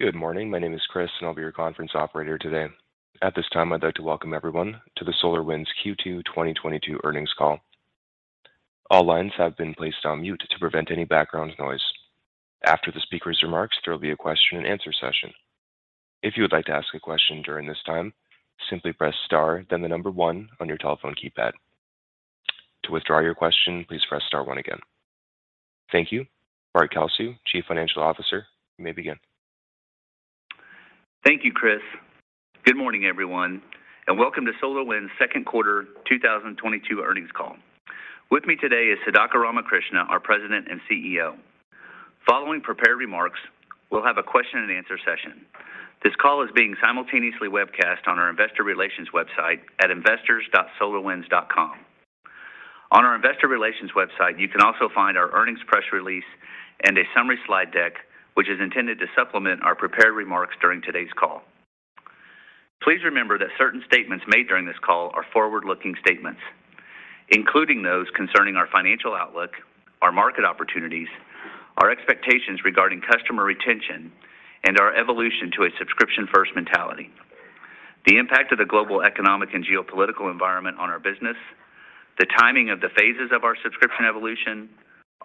Good morning. My name is Chris, and I'll be your conference operator today. At this time, I'd like to welcome everyone to the SolarWinds Q2 2022 earnings call. All lines have been placed on mute to prevent any background noise. After the speaker's remarks, there will be a question and answer session. If you would like to ask a question during this time, simply press star, then the number one on your telephone keypad. To withdraw your question, please press star one again. Thank you. Bart Kalsu, Chief Financial Officer, you may begin. Thank you, Chris. Good morning, everyone, and welcome to SolarWinds' second quarter 2022 earnings call. With me today is Sudhakar Ramakrishna, our President and CEO. Following prepared remarks, we'll have a question and answer session. This call is being simultaneously webcast on our investor relations website at investors.solarwinds.com. On our investor relations website, you can also find our earnings press release and a summary slide deck, which is intended to supplement our prepared remarks during today's call. Please remember that certain statements made during this call are forward-looking statements, including those concerning our financial outlook, our market opportunities, our expectations regarding customer retention and our evolution to a subscription-first mentality, the impact of the global economic and geopolitical environment on our business, the timing of the phases of our subscription evolution,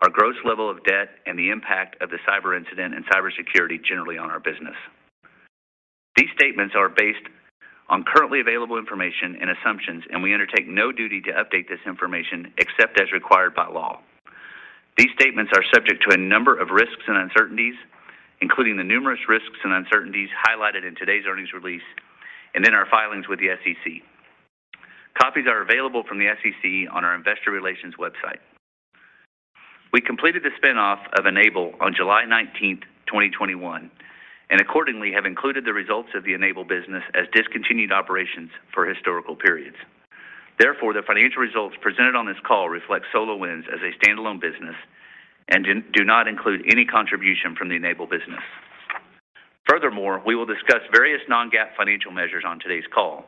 our gross level of debt, and the impact of the cyber incident and cybersecurity generally on our business. These statements are based on currently available information and assumptions, and we undertake no duty to update this information except as required by law. These statements are subject to a number of risks and uncertainties, including the numerous risks and uncertainties highlighted in today's earnings release and in our filings with the SEC. Copies are available from the SEC on our investor relations website. We completed the spin-off of N-able on July 19th, 2021, and accordingly, have included the results of the N-able business as discontinued operations for historical periods. Therefore, the financial results presented on this call reflect SolarWinds as a standalone business and do not include any contribution from the N-able business. Furthermore, we will discuss various non-GAAP financial measures on today's call.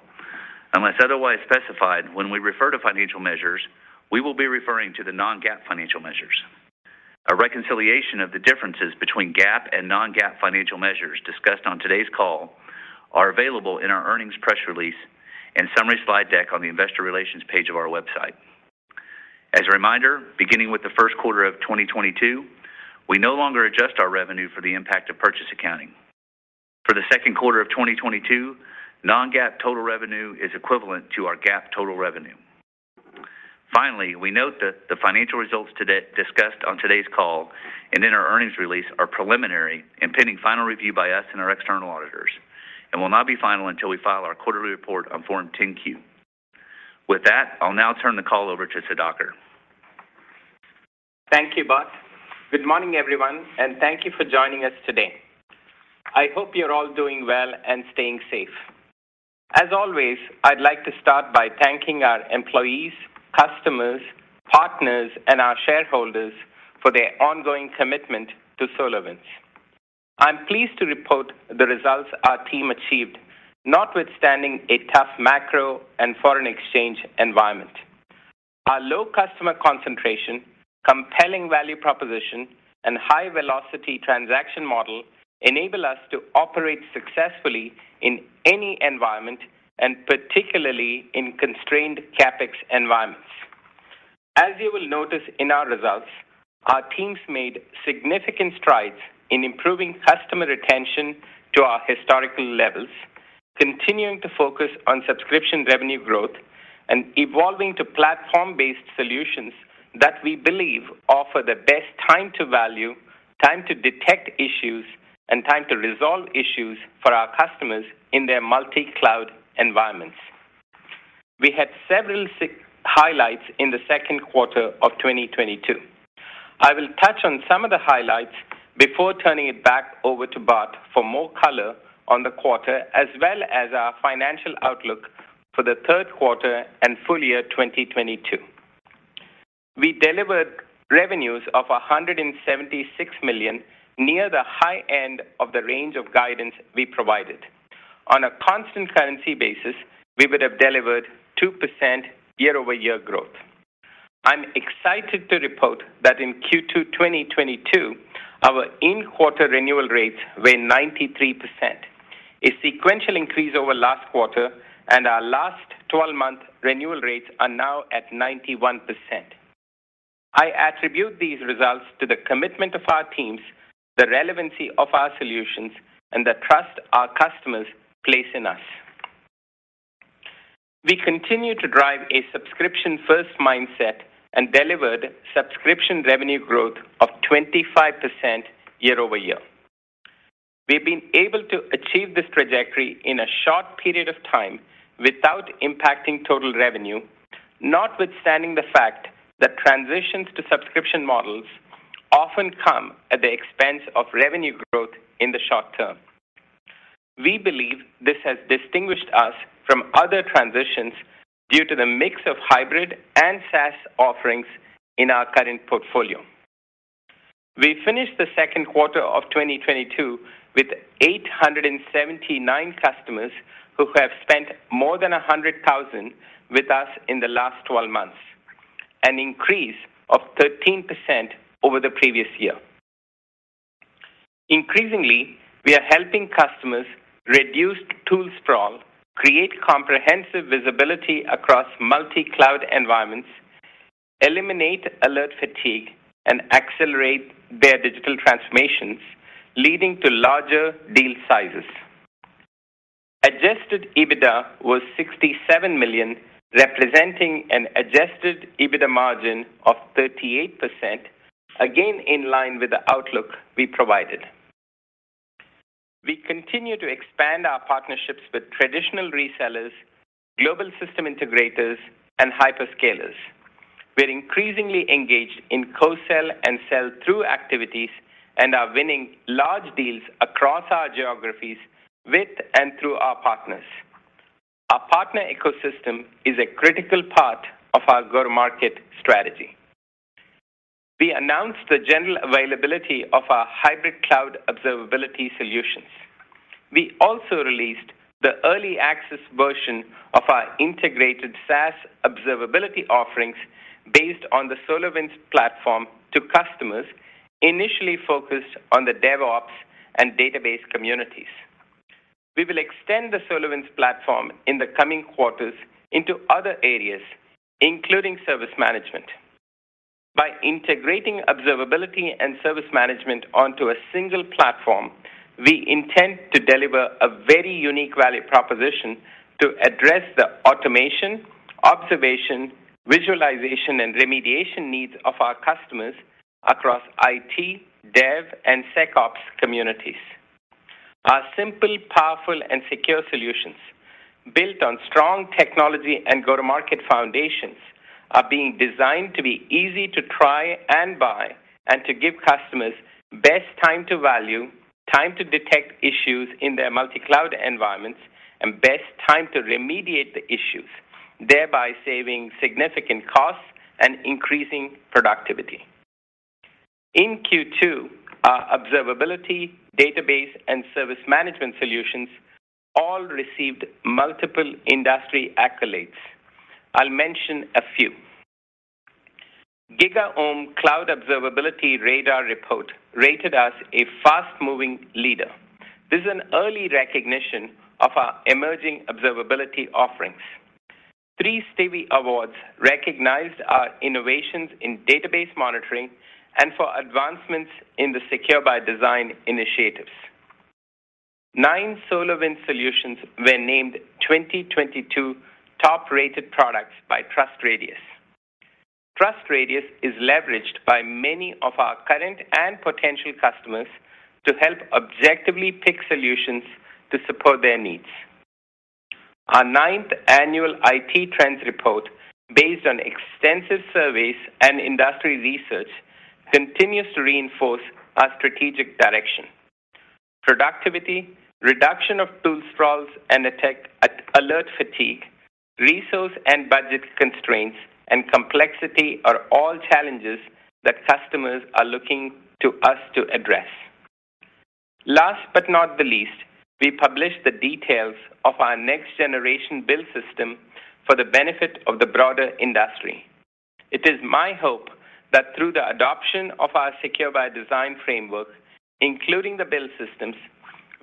Unless otherwise specified, when we refer to financial measures, we will be referring to the non-GAAP financial measures. A reconciliation of the differences between GAAP and non-GAAP financial measures discussed on today's call are available in our earnings press release and summary slide deck on the investor relations page of our website. As a reminder, beginning with the first quarter of 2022, we no longer adjust our revenue for the impact of purchase accounting. For the second quarter of 2022, non-GAAP total revenue is equivalent to our GAAP total revenue. Finally, we note that the financial results today, discussed on today's call and in our earnings release, are preliminary and pending final review by us and our external auditors and will not be final until we file our quarterly report on Form 10-Q. With that, I'll now turn the call over to Sudhakar. Thank you, Bart. Good morning, everyone, and thank you for joining us today. I hope you're all doing well and staying safe. As always, I'd like to start by thanking our employees, customers, partners, and our shareholders for their ongoing commitment to SolarWinds. I'm pleased to report the results our team achieved, notwithstanding a tough macro and foreign exchange environment. Our low customer concentration, compelling value proposition, and high-velocity transaction model enable us to operate successfully in any environment and particularly in constrained CapEx environments. As you will notice in our results, our teams made significant strides in improving customer retention to our historical levels, continuing to focus on subscription revenue growth and evolving to platform-based solutions that we believe offer the best time to value, time to detect issues, and time to resolve issues for our customers in their multi-cloud environments. We had several highlights in the second quarter of 2022. I will touch on some of the highlights before turning it back over to Bart for more color on the quarter, as well as our financial outlook for the third quarter and full year 2022. We delivered revenues of $176 million, near the high end of the range of guidance we provided. On a constant currency basis, we would have delivered 2% year-over-year growth. I'm excited to report that in Q2 2022, our in-quarter renewal rates were 93%, a sequential increase over last quarter, and our last 12-month renewal rates are now at 91%. I attribute these results to the commitment of our teams, the relevancy of our solutions, and the trust our customers place in us. We continue to drive a subscription-first mindset and delivered subscription revenue growth of 25% year-over-year. We've been able to achieve this trajectory in a short period of time without impacting total revenue, notwithstanding the fact that transitions to subscription models often come at the expense of revenue growth in the short term. We believe this has distinguished us from other transitions due to the mix of hybrid and SaaS offerings in our current portfolio. We finished the second quarter of 2022 with 879 customers who have spent more than $100,000 with us in the last 12 months. An increase of 13% over the previous year. Increasingly, we are helping customers reduce tool sprawl, create comprehensive visibility across multi-cloud environments, eliminate alert fatigue, and accelerate their digital transformations, leading to larger deal sizes. Adjusted EBITDA was $67 million, representing an adjusted EBITDA margin of 38%, again in line with the outlook we provided. We continue to expand our partnerships with traditional resellers, global system integrators, and hyperscalers. We are increasingly engaged in co-sell and sell-through activities and are winning large deals across our geographies with and through our partners. Our partner ecosystem is a critical part of our go-to-market strategy. We announced the general availability of our Hybrid Cloud Observability solutions. We also released the early access version of our integrated SaaS observability offerings based on the SolarWinds Platform to customers initially focused on the DevOps and database communities. We will extend the SolarWinds Platform in the coming quarters into other areas, including service management. By integrating observability and service management onto a single platform, we intend to deliver a very unique value proposition to address the automation, observation, visualization, and remediation needs of our customers across IT, DevOps, and SecOps communities. Our simple, powerful, and secure solutions built on strong technology and go-to-market foundations are being designed to be easy to try and buy and to give customers best time to value, time to detect issues in their multi-cloud environments, and best time to remediate the issues, thereby saving significant costs and increasing productivity. In Q2, our observability, database, and service management solutions all received multiple industry accolades. I'll mention a few. GigaOm Cloud Observability Radar Report rated us a fast-moving leader. This is an early recognition of our emerging observability offerings. Three Stevie Awards recognized our innovations in database monitoring and for advancements in the Secure by Design initiatives. Nine SolarWinds solutions were named 2022 top-rated products by TrustRadius. TrustRadius is leveraged by many of our current and potential customers to help objectively pick solutions to support their needs. Our ninth annual IT Trends Report, based on extensive surveys and industry research, continues to reinforce our strategic direction. Productivity, reduction of tool sprawls and alert fatigue, resource and budget constraints, and complexity are all challenges that customers are looking to us to address. Last but not the least, we published the details of our next-generation build system for the benefit of the broader industry. It is my hope that through the adoption of our Secure by Design framework, including the build systems,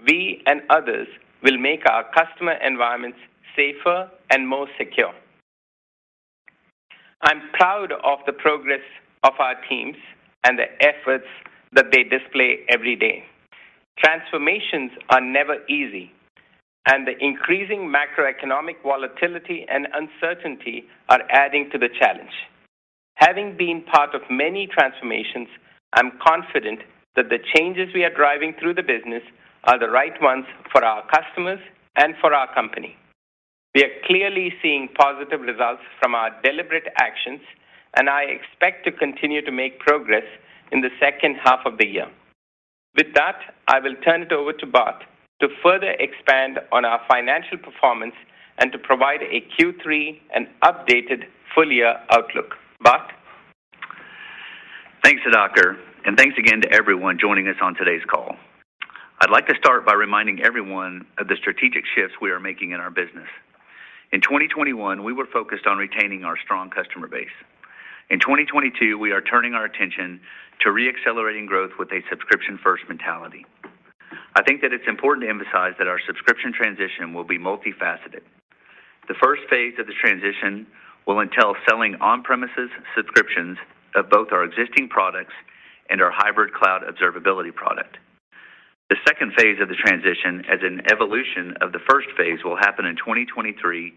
we and others will make our customer environments safer and more secure. I'm proud of the progress of our teams and the efforts that they display every day. Transformations are never easy, and the increasing macroeconomic volatility and uncertainty are adding to the challenge. Having been part of many transformations, I'm confident that the changes we are driving through the business are the right ones for our customers and for our company. We are clearly seeing positive results from our deliberate actions, and I expect to continue to make progress in the second half of the year. With that, I will turn it over to Bart to further expand on our financial performance and to provide a Q3 and updated full-year outlook. Bart? Thanks, Sudhakar, and thanks again to everyone joining us on today's call. I'd like to start by reminding everyone of the strategic shifts we are making in our business. In 2021, we were focused on retaining our strong customer base. In 2022, we are turning our attention to re-accelerating growth with a subscription-first mentality. I think that it's important to emphasize that our subscription transition will be multifaceted. The first phase of the transition will entail selling on-premises subscriptions of both our existing products and our Hybrid Cloud Observability product. The second phase of the transition, as an evolution of the first phase, will happen in 2023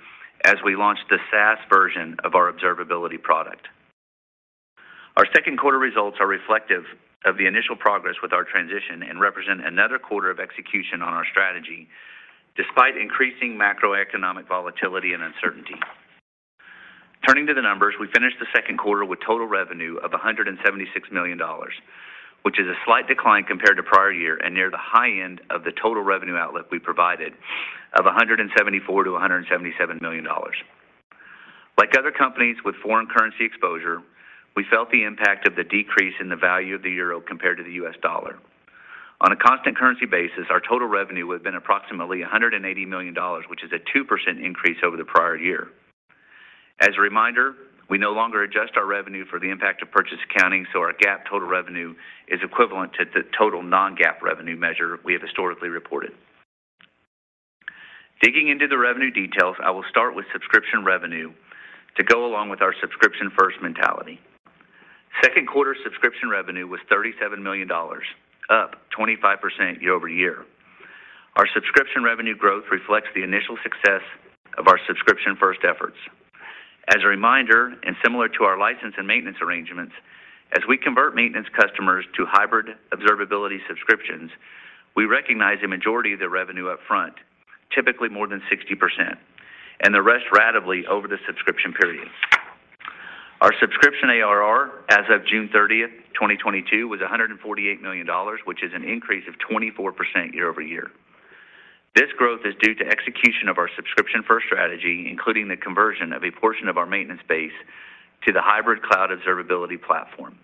as we launch the SaaS version of our observability product. Our second quarter results are reflective of the initial progress with our transition and represent another quarter of execution on our strategy despite increasing macroeconomic volatility and uncertainty. Turning to the numbers, we finished the second quarter with total revenue of $176 million, which is a slight decline compared to prior year and near the high end of the total revenue outlook we provided of $174 million-$177 million. Like other companies with foreign currency exposure, we felt the impact of the decrease in the value of the euro compared to the U.S. Dollar. On a constant currency basis, our total revenue would have been approximately $180 million, which is a 2% increase over the prior year. As a reminder, we no longer adjust our revenue for the impact of purchase accounting, so our GAAP total revenue is equivalent to the total non-GAAP revenue measure we have historically reported. Digging into the revenue details, I will start with subscription revenue to go along with our subscription-first mentality. Second quarter subscription revenue was $37 million, up 25% year-over-year. Our subscription revenue growth reflects the initial success of our subscription-first efforts. As a reminder, and similar to our license and maintenance arrangements, as we convert maintenance customers to hybrid observability subscriptions, we recognize the majority of the revenue up front, typically more than 60%, and the rest ratably over the subscription period. Our subscription ARR as of June 30th, 2022 was $148 million, which is an increase of 24% year-over-year. This growth is due to execution of our subscription-first strategy, including the conversion of a portion of our maintenance base to the Hybrid Cloud Observability platform.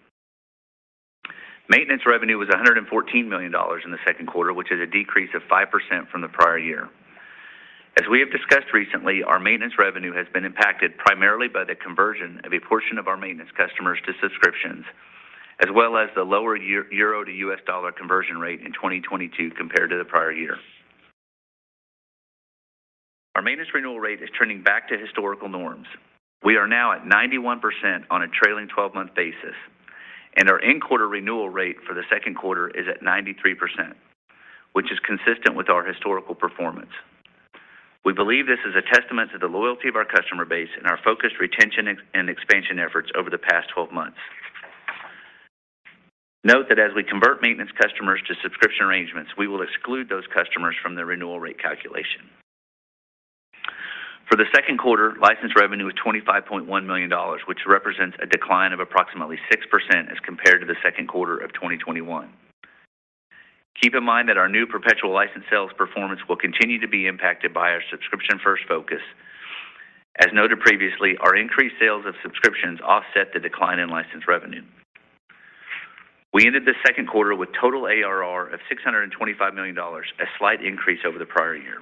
Maintenance revenue was $114 million in the second quarter, which is a decrease of 5% from the prior year. As we have discussed recently, our maintenance revenue has been impacted primarily by the conversion of a portion of our maintenance customers to subscriptions, as well as the lower euro to U.S. dollar conversion rate in 2022 compared to the prior year. Our maintenance renewal rate is trending back to historical norms. We are now at 91% on a trailing 12-month basis, and our in-quarter renewal rate for the second quarter is at 93%, which is consistent with our historical performance. We believe this is a testament to the loyalty of our customer base and our focused retention and expansion efforts over the past 12 months. Note that as we convert maintenance customers to subscription arrangements, we will exclude those customers from the renewal rate calculation. For the second quarter, license revenue was $25.1 million, which represents a decline of approximately 6% as compared to the second quarter of 2021. Keep in mind that our new perpetual license sales performance will continue to be impacted by our subscription first focus. As noted previously, our increased sales of subscriptions offset the decline in license revenue. We ended the second quarter with total ARR of $625 million, a slight increase over the prior year.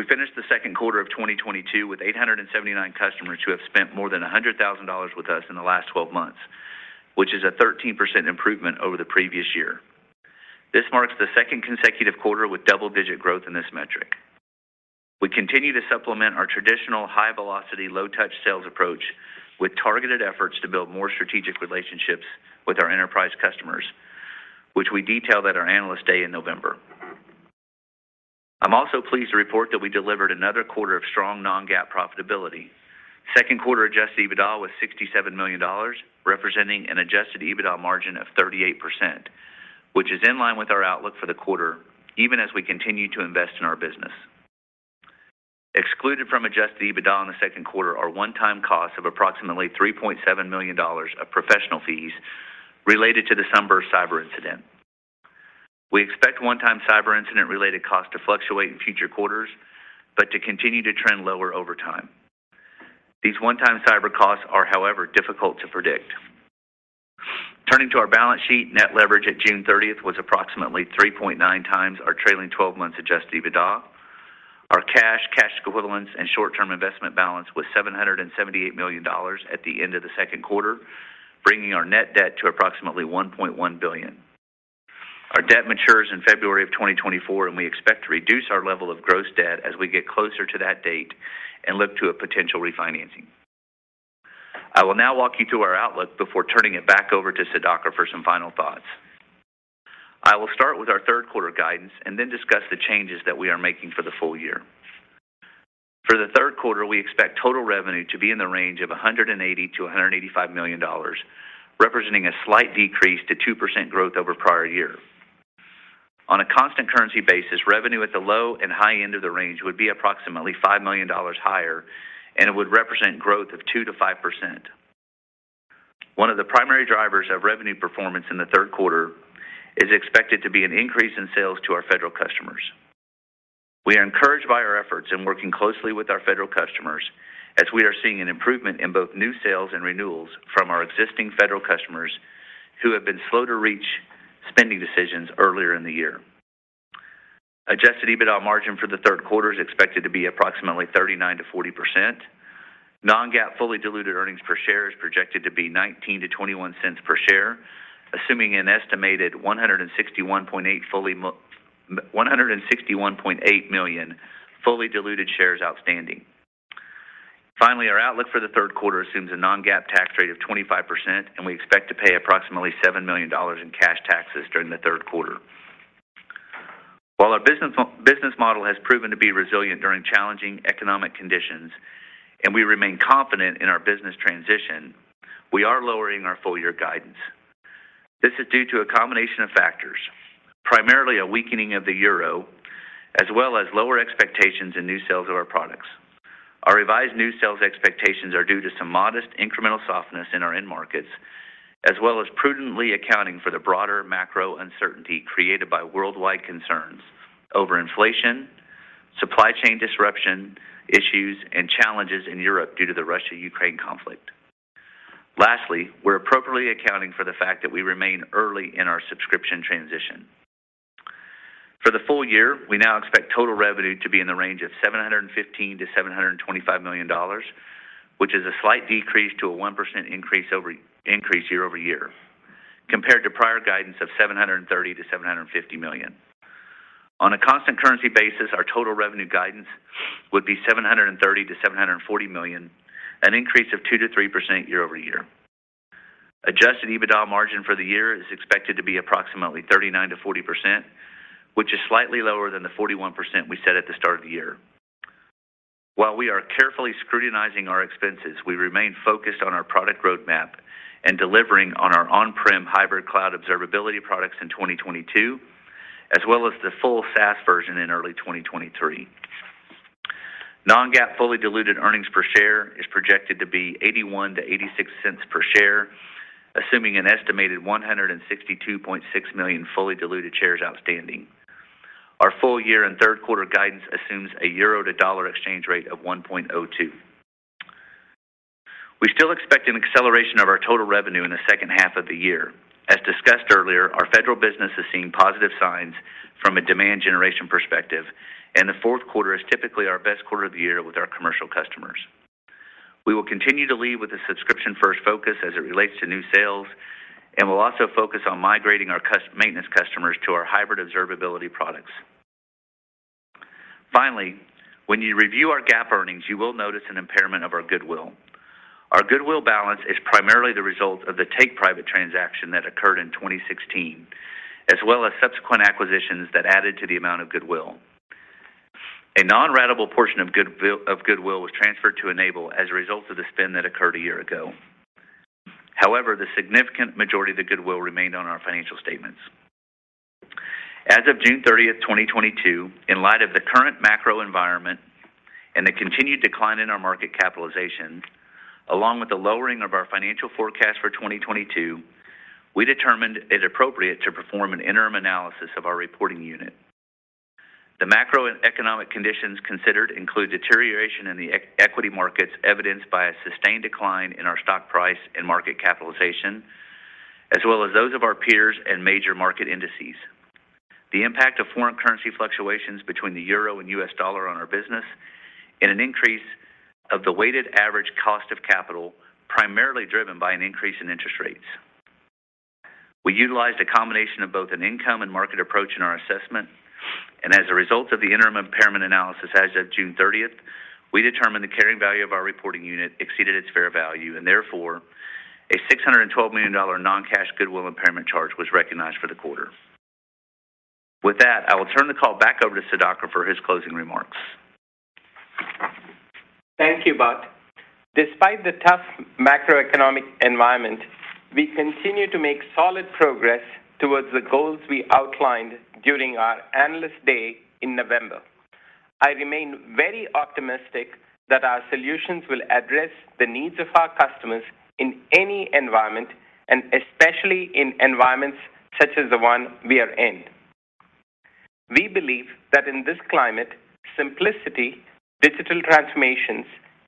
We finished the second quarter of 2022 with 879 customers who have spent more than $100,000 with us in the last 12 months, which is a 13% improvement over the previous year. This marks the second consecutive quarter with double-digit growth in this metric. We continue to supplement our traditional high velocity, low touch sales approach with targeted efforts to build more strategic relationships with our enterprise customers, which we detail at our Analyst Day in November. I'm also pleased to report that we delivered another quarter of strong non-GAAP profitability. Second quarter adjusted EBITDA was $67 million, representing an adjusted EBITDA margin of 38%, which is in line with our outlook for the quarter even as we continue to invest in our business. Excluded from adjusted EBITDA in the second quarter are one-time costs of approximately $3.7 million of professional fees related to the Sunburst cyber incident. We expect one-time cyber incident-related costs to fluctuate in future quarters, but to continue to trend lower over time. These one-time cyber costs are, however, difficult to predict. Turning to our balance sheet, net leverage at June 30th was approximately 3.9x our trailing 12-month adjusted EBITDA. Our cash equivalents, and short-term investment balance was $778 million at the end of the second quarter, bringing our net debt to approximately $1.1 billion. Our debt matures in February 2024, and we expect to reduce our level of gross debt as we get closer to that date and look to a potential refinancing. I will now walk you through our outlook before turning it back over to Sudhakar for some final thoughts. I will start with our third quarter guidance and then discuss the changes that we are making for the full year. For the third quarter, we expect total revenue to be in the range of $180 million-$185 million, representing a slight decrease to 2% growth over prior year. On a constant currency basis, revenue at the low and high end of the range would be approximately $5 million higher, and it would represent growth of 2%-5%. One of the primary drivers of revenue performance in the third quarter is expected to be an increase in sales to our federal customers. We are encouraged by our efforts in working closely with our federal customers as we are seeing an improvement in both new sales and renewals from our existing federal customers who have been slow to reach spending decisions earlier in the year. Adjusted EBITDA margin for the third quarter is expected to be approximately 39%-40%. non-GAAP fully diluted earnings per share is projected to be $0.19 per share-$0.21 per share, assuming an estimated 161.8 million fully diluted shares outstanding. Finally, our outlook for the third quarter assumes a non-GAAP tax rate of 25%, and we expect to pay approximately $7 million in cash taxes during the third quarter. While our business model has proven to be resilient during challenging economic conditions and we remain confident in our business transition, we are lowering our full year guidance. This is due to a combination of factors, primarily a weakening of the euro, as well as lower expectations in new sales of our products. Our revised new sales expectations are due to some modest incremental softness in our end markets, as well as prudently accounting for the broader certainty created by worldwide concerns over inflation, supply chain disruption issues, and challenges in Europe due to the Russia-Ukraine conflict. We're appropriately accounting for the fact that we remain early in our subscription transition. For the full year, we now expect total revenue to be in the range of $715 million-$725 million, which is a slight decrease to a 1% increase year-over-year, compared to prior guidance of $730 million-$750 million. On a constant currency basis, our total revenue guidance would be $730 million-$740 million, an increase of 2%-3% year-over-year. Adjusted EBITDA margin for the year is expected to be approximately 39%-40%, which is slightly lower than the 41% we set at the start of the year. While we are carefully scrutinizing our expenses, we remain focused on our product roadmap and delivering on our on-prem Hybrid Cloud Observability products in 2022, as well as the full SaaS version in early 2023. Non-GAAP fully diluted earnings per share is projected to be $0.81 per share-$0.86 per share, assuming an estimated 162.6 million fully diluted shares outstanding. Our full year and third quarter guidance assumes a euro to dollar exchange rate of 1.02. We still expect an acceleration of our total revenue in the second half of the year. As discussed earlier, our federal business is seeing positive signs from a demand generation perspective, and the fourth quarter is typically our best quarter of the year with our commercial customers. We will continue to lead with a subscription-first focus as it relates to new sales, and we'll also focus on migrating our maintenance customers to our hybrid observability products. Finally, when you review our GAAP earnings, you will notice an impairment of our goodwill. Our goodwill balance is primarily the result of the take-private transaction that occurred in 2016, as well as subsequent acquisitions that added to the amount of goodwill. A non-ratable portion of goodwill was transferred to N-able as a result of the spin that occurred a year ago. However, the significant majority of the goodwill remained on our financial statements. As of June 30th, 2022, in light of the current macro environment and the continued decline in our market capitalization, along with the lowering of our financial forecast for 2022, we determined it appropriate to perform an interim analysis of our reporting unit. The macroeconomic conditions considered include deterioration in the equity markets evidenced by a sustained decline in our stock price and market capitalization, as well as those of our peers and major market indices. The impact of foreign currency fluctuations between the euro and U.S. dollar on our business, and an increase of the weighted average cost of capital, primarily driven by an increase in interest rates. We utilized a combination of both an income and market approach in our assessment, and as a result of the interim impairment analysis as of June 30th, we determined the carrying value of our reporting unit exceeded its fair value, and therefore a $612 million non-cash goodwill impairment charge was recognized for the quarter. With that, I will turn the call back over to Sudhakar for his closing remarks. Thank you, Bart. Despite the tough macroeconomic environment, we continue to make solid progress towards the goals we outlined during our Analyst Day in November. I remain very optimistic that our solutions will address the needs of our customers in any environment, and especially in environments such as the one we are in. We believe that in this climate, simplicity, digital transformations,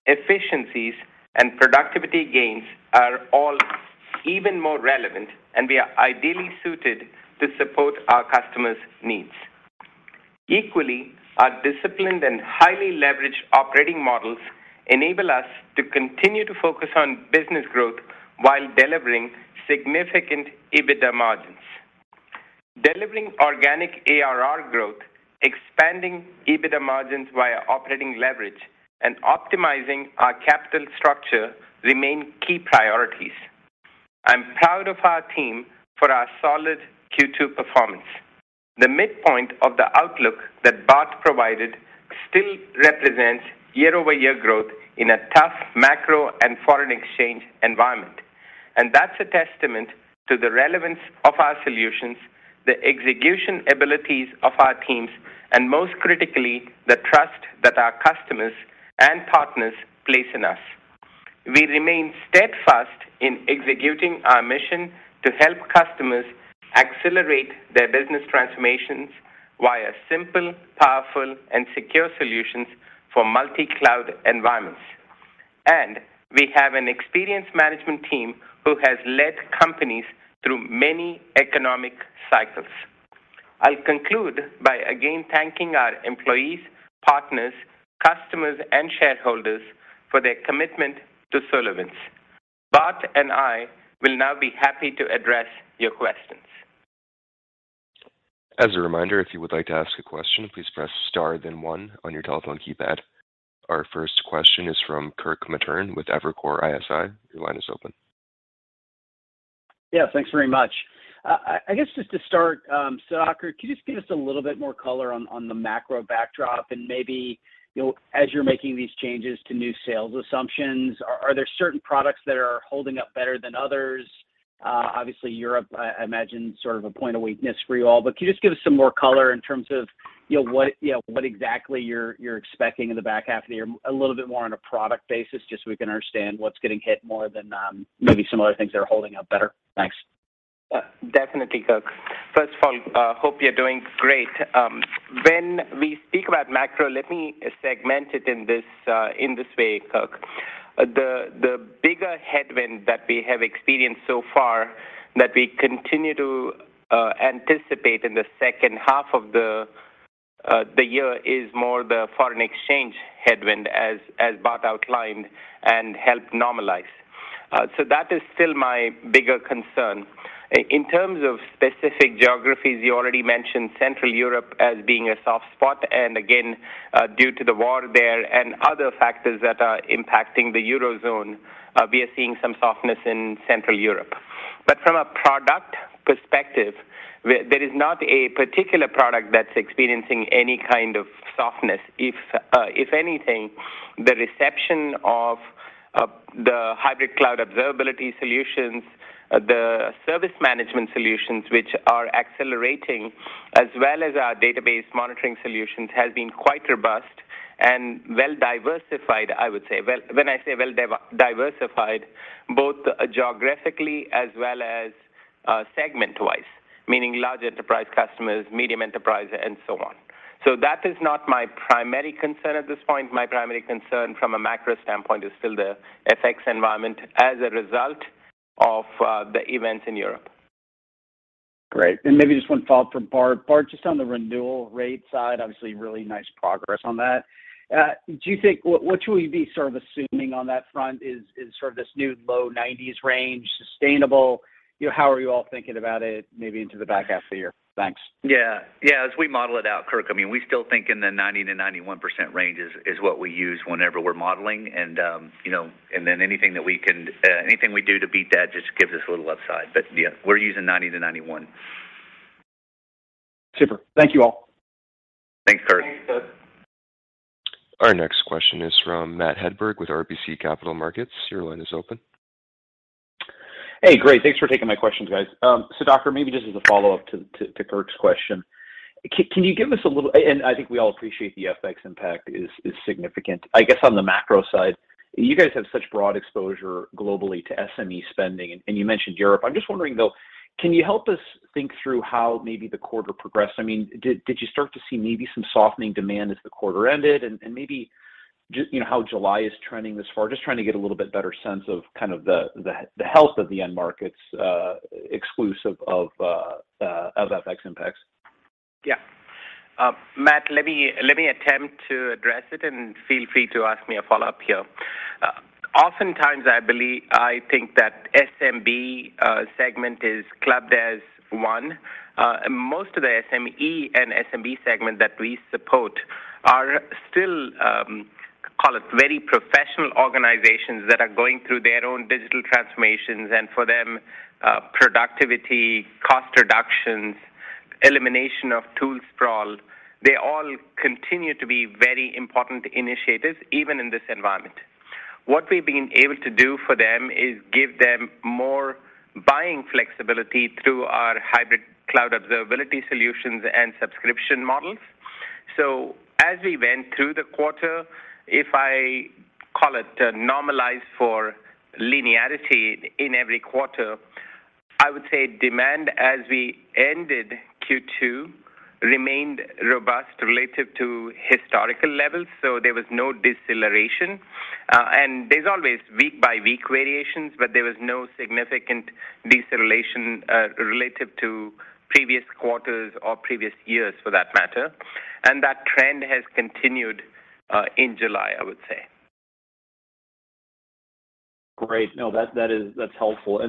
efficiencies, and productivity gains are all even more relevant, and we are ideally suited to support our customers' needs. Equally, our disciplined and highly leveraged operating models enable us to continue to focus on business growth while delivering significant EBITDA margins. Delivering organic ARR growth, expanding EBITDA margins via operating leverage, and optimizing our capital structure remain key priorities. I'm proud of our team for our solid Q2 performance. The midpoint of the outlook that Bart provided still represents year-over-year growth in a tough macro and foreign exchange environment. That's a testament to the relevance of our solutions, the execution abilities of our teams, and most critically, the trust that our customers and partners place in us. We remain steadfast in executing our mission to help customers accelerate their business transformations via simple, powerful, and secure solutions for multi-cloud environments. We have an experienced management team who has led companies through many economic cycles. I'll conclude by again thanking our employees, partners, customers, and shareholders for their commitment to SolarWinds. Bart and I will now be happy to address your questions. As a reminder, if you would like to ask a question, please press star then one on your telephone keypad. Our first question is from Kirk Materne with Evercore ISI. Your line is open. Yeah. Thanks very much. I guess just to start, Sudhakar, could you just give us a little bit more color on the macro backdrop? Maybe, you know, as you're making these changes to new sales assumptions, are there certain products that are holding up better than others? Obviously, Europe, I imagine sort of a point of weakness for you all. Can you just give us some more color in terms of, you know, what exactly you're expecting in the back half of the year, a little bit more on a product basis, just so we can understand what's getting hit more than maybe some other things that are holding up better. Thanks. Definitely, Kirk. First of all, hope you're doing great. When we speak about macro, let me segment it in this way, Kirk. The bigger headwind that we have experienced so far that we continue to anticipate in the second half of the year is more the foreign exchange headwind as Bart outlined and helped normalize. That is still my bigger concern. In terms of specific geographies, you already mentioned Central Europe as being a soft spot, and again, due to the war there and other factors that are impacting the Eurozone, we are seeing some softness in Central Europe. From a product perspective, there is not a particular product that's experiencing any kind of softness. If anything, the reception of the Hybrid Cloud Observability solutions, the service management solutions, which are accelerating, as well as our database monitoring solutions, has been quite robust and well diversified, I would say. When I say well diversified, both geographically as well as segment-wise, meaning large enterprise customers, medium enterprise and so on. That is not my primary concern at this point. My primary concern from a macro standpoint is still the FX environment as a result of the events in Europe. Great. Maybe just one follow-up for Bart. Bart, just on the renewal rate side, obviously really nice progress on that. What should we be sort of assuming on that front? Is sort of this new low nineties range sustainable? You know, how are you all thinking about it maybe into the back half of the year? Thanks. Yeah. As we model it out, Kirk, I mean, we still think in the 90%-91% range is what we use whenever we're modeling. You know, then anything we do to beat that just gives us a little upside. Yeah, we're using 90%-91%. Super. Thank you all. Thanks, Kirk. Thanks, Kirk. Our next question is from Matt Hedberg with RBC Capital Markets. Your line is open. Hey, great. Thanks for taking my questions, guys. Sudhakar, maybe just as a follow-up to Kirk's question. I think we all appreciate the FX impact is significant. I guess on the macro side, you guys have such broad exposure globally to SME spending, and you mentioned Europe. I'm just wondering, though, can you help us think through how maybe the quarter progressed? I mean, did you start to see maybe some softening demand as the quarter ended? Maybe you know, how July is trending thus far. Just trying to get a little bit better sense of kind of the health of the end markets, exclusive of FX impacts. Yeah. Matt, let me attempt to address it, and feel free to ask me a follow-up here. Oftentimes, I think that SMB segment is lumped as one. Most of the SME and SMB segment that we support are still call it very professional organizations that are going through their own digital transformations, and for them, productivity, cost reductions, elimination of tool sprawl, they all continue to be very important initiatives, even in this environment. What we've been able to do for them is give them more buying flexibility through our Hybrid Cloud Observability solutions and subscription models. As we went through the quarter, if I call it normalized for linearity in every quarter, I would say demand as we ended Q2 remained robust related to historical levels, so there was no deceleration. There's always week-by-week variations, but there was no significant deceleration related to previous quarters or previous years for that matter. That trend has continued in July, I would say. Great. No, that's helpful.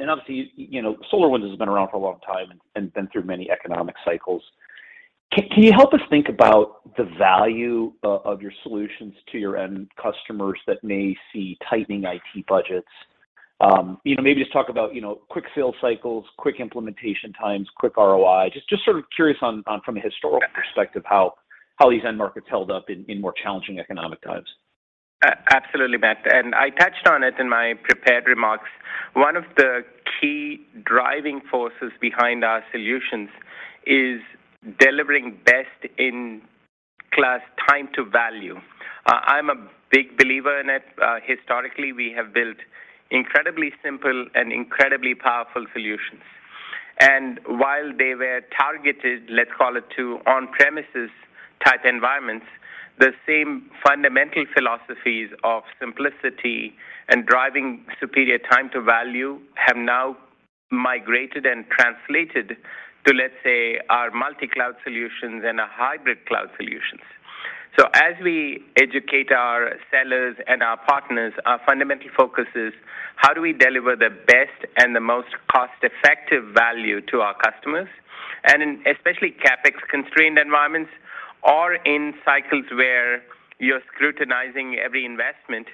Obviously, you know, SolarWinds has been around for a long time and been through many economic cycles. Can you help us think about the value of your solutions to your end customers that may see tightening IT budgets? You know, maybe just talk about, you know, quick sales cycles, quick implementation times, quick ROI. Just sort of curious on from a historical perspective, how these end markets held up in more challenging economic times. Absolutely, Matt. I touched on it in my prepared remarks. One of the key driving forces behind our solutions is delivering best-in-class time to value. I'm a big believer in it. Historically, we have built incredibly simple and incredibly powerful solutions. While they were targeted, let's call it to on-premises type environments, the same fundamental philosophies of simplicity and driving superior time to value have now migrated and translated to, let's say, our multi-cloud solutions and our hybrid cloud solutions. As we educate our sellers and our partners, our fundamental focus is how do we deliver the best and the most cost-effective value to our customers? In especially CapEx-constrained environments or in cycles where you're scrutinizing every investment,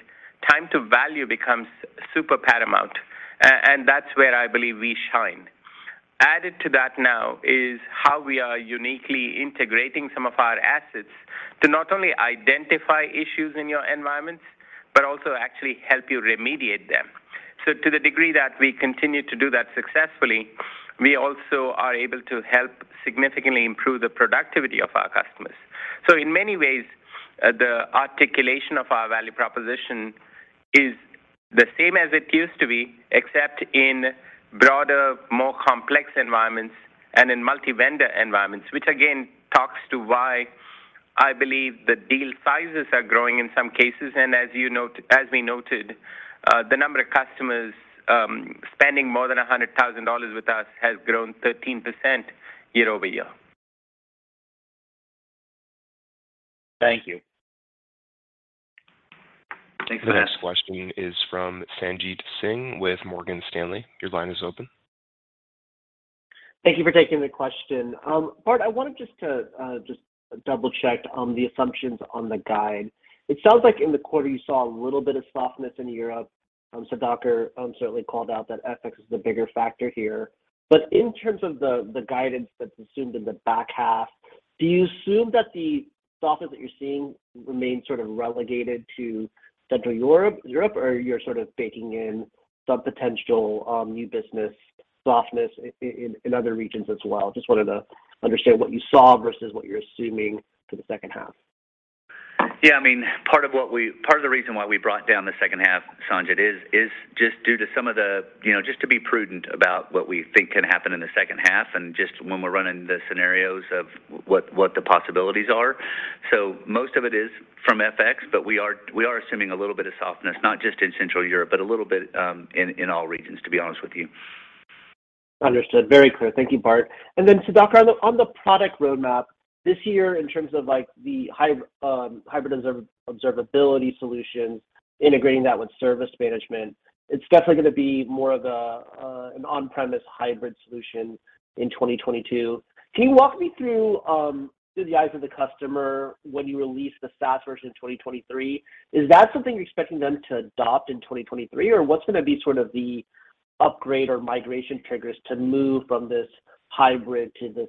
time to value becomes super paramount. That's where I believe we shine. Added to that now is how we are uniquely integrating some of our assets to not only identify issues in your environments, but also actually help you remediate them. To the degree that we continue to do that successfully, we also are able to help significantly improve the productivity of our customers. In many ways, the articulation of our value proposition is the same as it used to be, except in broader, more complex environments and in multi-vendor environments, which again talks to why I believe the deal sizes are growing in some cases. As we noted, the number of customers spending more than $100,000 with us has grown 13% year-over-year. Thank you. The next question is from Sanjit Singh with Morgan Stanley. Your line is open. Thank you for taking the question. Bart, I wanted to double-check on the assumptions on the guide. It sounds like in the quarter you saw a little bit of softness in Europe. Sudhakar certainly called out that FX is the bigger factor here. In terms of the guidance that's assumed in the back half, do you assume that the softness that you're seeing remains sort of relegated to Central Europe or you're sort of baking in some potential new business softness in other regions as well? Just wanted to understand what you saw versus what you're assuming for the second half. Yeah, I mean, part of the reason why we brought down the second half, Sanjit, is just due to some of the. You know, just to be prudent about what we think can happen in the second half and just when we're running the scenarios of what the possibilities are. Most of it is from FX, but we are assuming a little bit of softness, not just in Central Europe, but a little bit in all regions, to be honest with you. Understood. Very clear. Thank you, Bart. Sudhakar, on the product roadmap this year in terms of, like, the hybrid observability solutions, integrating that with service management, it's definitely gonna be more of an on-premises hybrid solution in 2022. Can you walk me through the eyes of the customer when you release the SaaS version in 2023? Is that something you're expecting them to adopt in 2023? Or what's gonna be sort of the upgrade or migration triggers to move from this hybrid to this,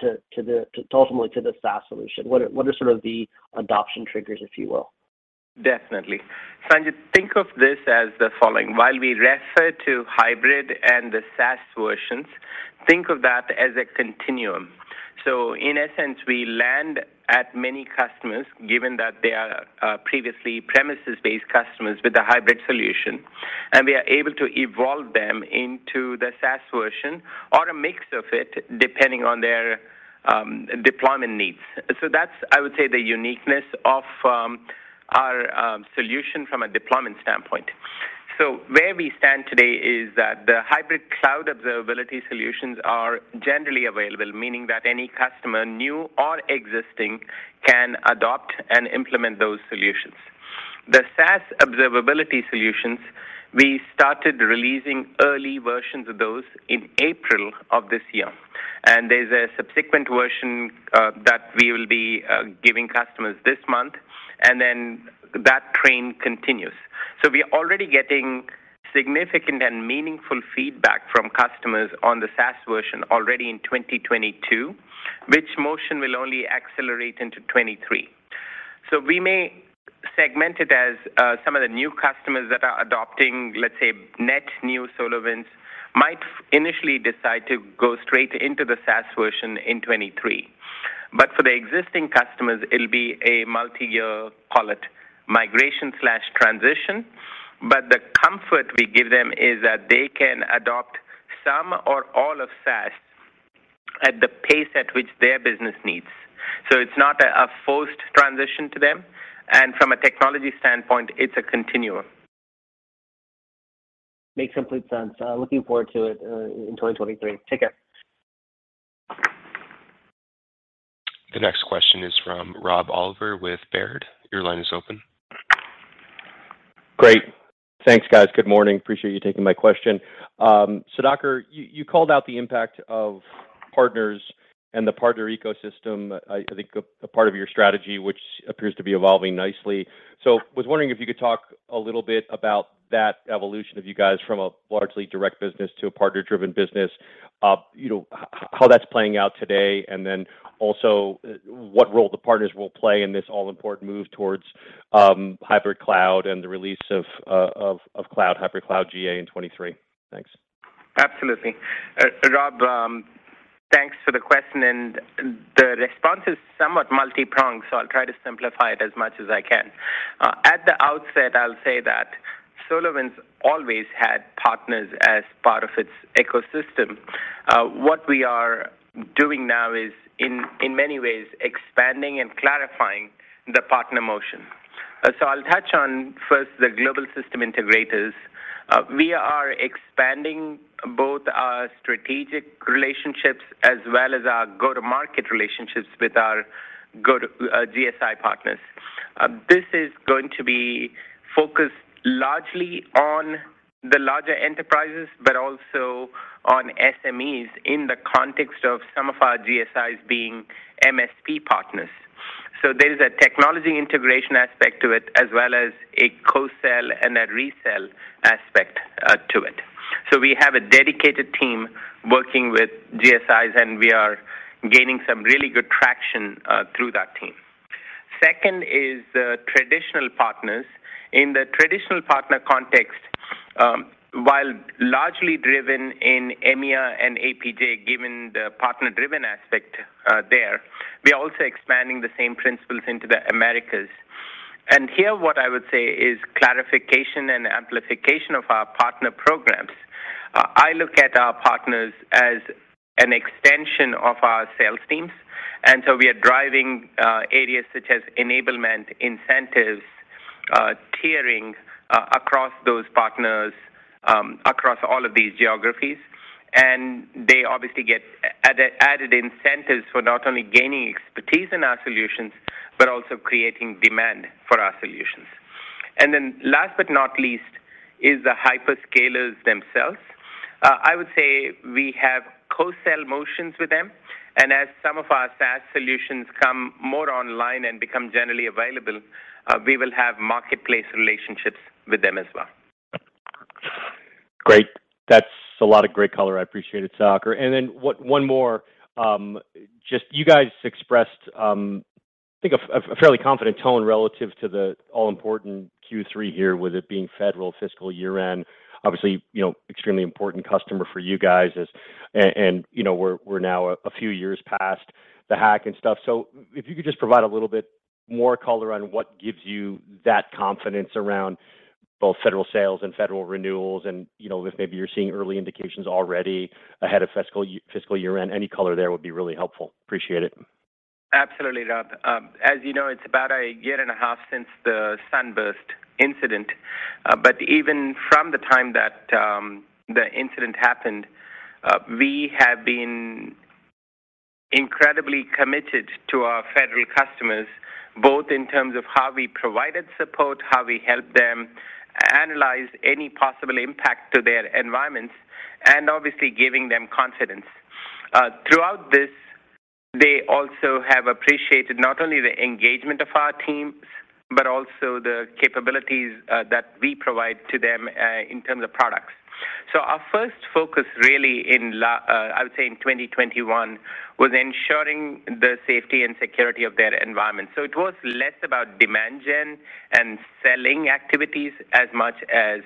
to the, ultimately to the SaaS solution? What are sort of the adoption triggers, if you will? Definitely. Sanjit, think of this as the following. While we refer to hybrid and the SaaS versions, think of that as a continuum. In essence, we land at many customers given that they are previously on-premises customers with a hybrid solution, and we are able to evolve them into the SaaS version or a mix of it depending on their deployment needs. That's, I would say, the uniqueness of our solution from a deployment standpoint. Where we stand today is that the Hybrid Cloud Observability solutions are generally available, meaning that any customer, new or existing, can adopt and implement those solutions. The SaaS observability solutions, we started releasing early versions of those in April of this year, and there's a subsequent version that we will be giving customers this month, and then that train continues. We're already getting significant and meaningful feedback from customers on the SaaS version already in 2022, which motion will only accelerate into 2023. We may segment it as some of the new customers that are adopting, let's say, net new SolarWinds might initially decide to go straight into the SaaS version in 2023. For the existing customers, it'll be a multiyear call it migration/transition. The comfort we give them is that they can adopt some or all of SaaS at the pace at which their business needs. It's not a forced transition to them, and from a technology standpoint, it's a continuum. Makes complete sense. Looking forward to it in 2023. Take care. The next question is from Rob Oliver with Baird. Your line is open. Great. Thanks, guys. Good morning. Appreciate you taking my question. Sudhakar, you called out the impact of partners and the partner ecosystem. I think a part of your strategy, which appears to be evolving nicely. Was wondering if you could talk a little bit about that evolution of you guys from a largely direct business to a partner-driven business. You know, how that's playing out today, and then also what role the partners will play in this all-important move towards Hybrid Cloud and the release of Hybrid Cloud GA in 2023. Thanks. Absolutely. Rob, thanks for the question, and the response is somewhat multi-pronged, so I'll try to simplify it as much as I can. At the outset, I'll say that SolarWinds always had partners as part of its ecosystem. What we are doing now is in many ways expanding and clarifying the partner motion. I'll touch on first the global system integrators. We are expanding both our strategic relationships as well as our go-to-market relationships with our GSI partners. This is going to be focused largely on the larger enterprises, but also on SMEs in the context of some of our GSIs being MSP partners. There's a technology integration aspect to it as well as a co-sell and a resell aspect to it. We have a dedicated team working with GSIs, and we are gaining some really good traction through that team. Second is the traditional partners. In the traditional partner context, while largely driven in EMEA and APJ, given the partner-driven aspect, there, we are also expanding the same principles into the Americas. Here what I would say is clarification and amplification of our partner programs. I look at our partners as an extension of our sales teams, and so we are driving areas such as enablement, incentives, tiering across those partners, across all of these geographies. They obviously get added incentives for not only gaining expertise in our solutions, but also creating demand for our solutions. Last but not least is the hyperscalers themselves. I would say we have co-sell motions with them, and as some of our SaaS solutions come more online and become generally available, we will have marketplace relationships with them as well. Great. That's a lot of great color. I appreciate it, Sudhakar. One more. Just you guys expressed, I think a fairly confident tone relative to the all-important Q3 here, with it being federal fiscal year-end. Obviously, you know, extremely important customer for you guys. And, you know, we're now a few years past the hack and stuff. If you could just provide a little bit more color on what gives you that confidence around both federal sales and federal renewals and, you know, if maybe you're seeing early indications already ahead of fiscal year-end. Any color there would be really helpful. Appreciate it. Absolutely, Rob. As you know, it's about 1.5 year since the Sunburst incident. Even from the time that the incident happened, we have been incredibly committed to our federal customers, both in terms of how we provided support, how we helped them analyze any possible impact to their environments, and obviously giving them confidence. Throughout this, they also have appreciated not only the engagement of our team, but also the capabilities that we provide to them in terms of products. Our first focus really, I would say, in 2021 was ensuring the safety and security of their environment. It was less about demand gen and selling activities as much as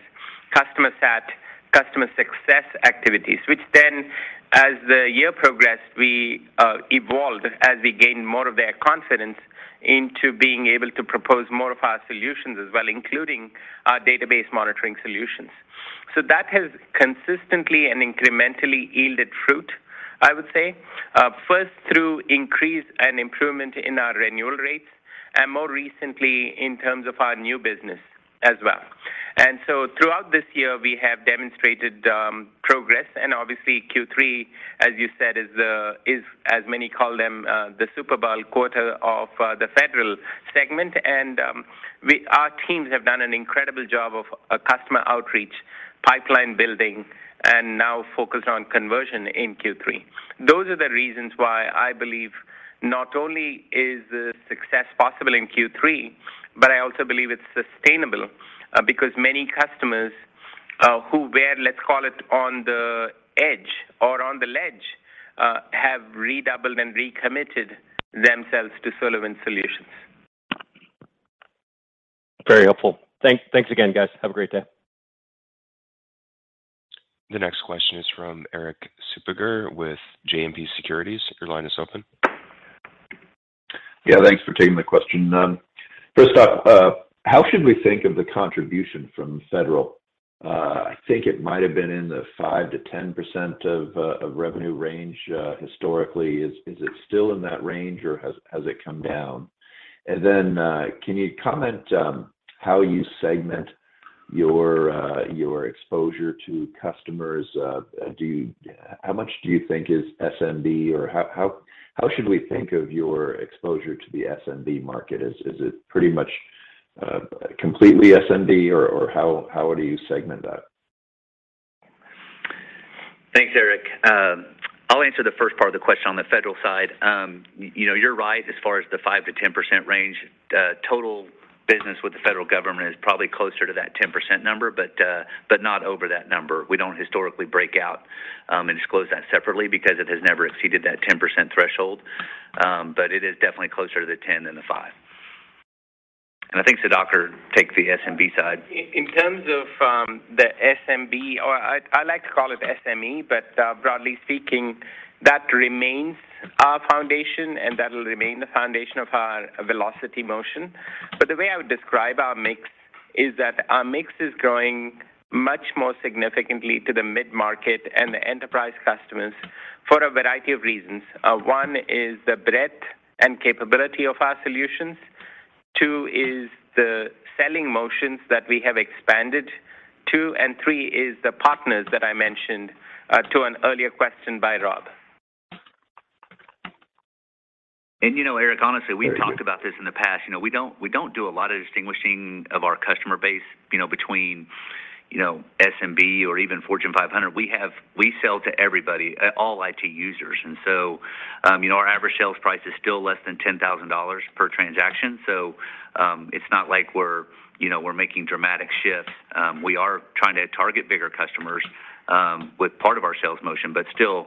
customer sat, customer success activities, which then as the year progressed, we evolved as we gained more of their confidence into being able to propose more of our solutions as well, including our database monitoring solutions. That has consistently and incrementally yielded fruit, I would say. First through increase and improvement in our renewal rates, and more recently in terms of our new business as well. Throughout this year, we have demonstrated progress, and obviously Q3, as you said, is as many call them the Super Bowl quarter of the federal segment. Our teams have done an incredible job of customer outreach, pipeline building, and now focused on conversion in Q3. Those are the reasons why I believe not only is the success possible in Q3, but I also believe it's sustainable, because many customers, who were, let's call it, on the edge or on the ledge, have redoubled and recommitted themselves to SolarWinds solutions. Very helpful. Thanks again, guys. Have a great day. The next question is from Erik Suppiger with JMP Securities. Your line is open. Yeah, thanks for taking the question. First off, how should we think of the contribution from federal? I think it might have been in the 5%-10% of revenue range historically. Is it still in that range or has it come down? Then, can you comment how you segment your exposure to customers? How much do you think is SMB or how should we think of your exposure to the SMB market? Is it pretty much completely SMB or how would you segment that? Thanks, Erik. I'll answer the first part of the question on the federal side. You know, you're right as far as the 5%-10% range. The total business with the federal government is probably closer to that 10% number, but not over that number. We don't historically break out and disclose that separately because it has never exceeded that 10% threshold. But it is definitely closer to the 10 than the 5. I think Sudhakar take the SMB side. In terms of the SMB or I like to call it SME, but broadly speaking, that remains our foundation and that'll remain the foundation of our velocity motion. The way I would describe our mix is that our mix is growing much more significantly to the mid-market and the enterprise customers for a variety of reasons. One is the breadth and capability of our solutions. Two is the selling motions that we have expanded to. Three is the partners that I mentioned to an earlier question by Rob. And, you know, Eric, honestly- Thank you. We've talked about this in the past. You know, we don't do a lot of distinguishing of our customer base, you know, between, you know, SMB or even Fortune 500. We sell to everybody, all IT users. You know, our average sales price is still less than $10,000 per transaction. It's not like we're, you know, making dramatic shifts. We are trying to target bigger customers. With part of our sales motion, but still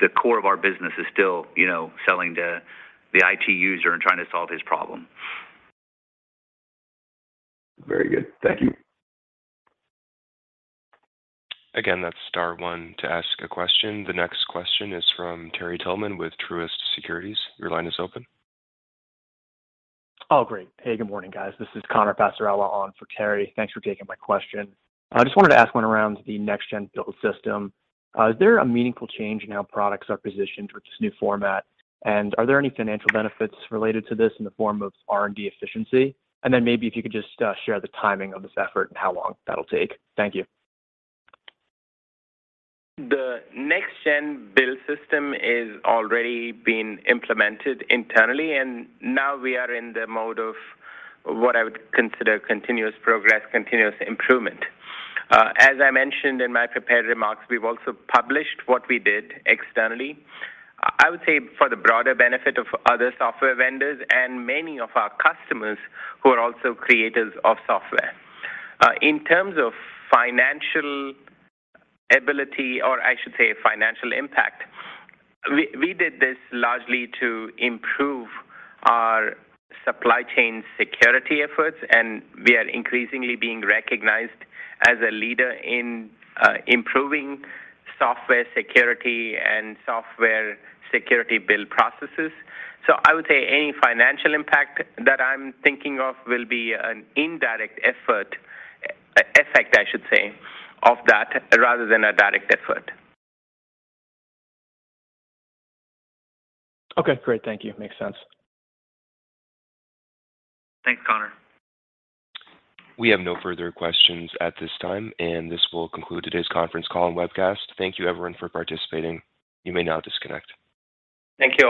the core of our business is still, you know, selling to the IT user and trying to solve his problem. Very good. Thank you. Again, that's star one to ask a question. The next question is from Terry Tillman with Truist Securities. Your line is open. Oh, great. Hey, good morning, guys. This is Connor Passarella on for Terry. Thanks for taking my question. I just wanted to ask one around the next gen build system. Is there a meaningful change in how products are positioned with this new format? Are there any financial benefits related to this in the form of R&D efficiency? Then maybe if you could just share the timing of this effort and how long that'll take. Thank you. The next gen build system is already being implemented internally, and now we are in the mode of what I would consider continuous progress, continuous improvement. As I mentioned in my prepared remarks, we've also published what we did externally, I would say for the broader benefit of other software vendors and many of our customers who are also creators of software. In terms of financial ability, or I should say financial impact, we did this largely to improve our supply chain security efforts, and we are increasingly being recognized as a leader in improving software security and software security build processes. I would say any financial impact that I'm thinking of will be an indirect effort, effect, I should say, of that rather than a direct effort. Okay, great. Thank you. Makes sense. Thanks, Connor. We have no further questions at this time, and this will conclude today's conference call and webcast. Thank you everyone for participating. You may now disconnect. Thank you.